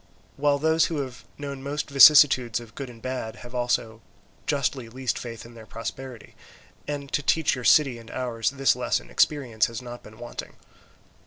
While those who have known most vicissitudes of good and bad, have also justly least faith in their prosperity; and to teach your city and ours this lesson experience has not been wanting.